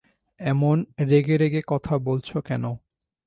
এমন রেগে-রেগে কথা বলছ কেন?